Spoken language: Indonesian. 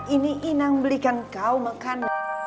ini inang belikan kau makan